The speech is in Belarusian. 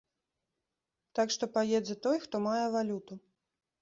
Так што паедзе той, хто мае валюту.